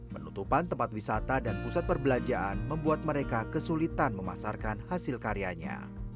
penutupan tempat wisata dan pusat perbelanjaan membuat mereka kesulitan memasarkan hasil karyanya